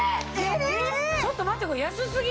ちょっと待ってこれ。